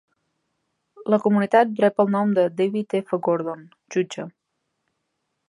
La comunitat rep el nom de David F. Gordon, jutge.